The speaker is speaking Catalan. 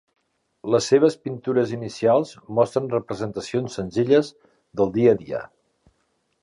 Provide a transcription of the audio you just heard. Les seves pintures inicials mostren representacions senzilles del dia a dia.